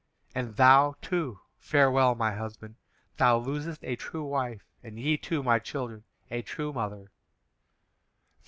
And thou, too, farewell, my husband. Thou losest a true wife, and ye, too, my children, a true mother."